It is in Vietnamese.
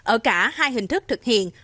ở cả hai hình thức thực hiện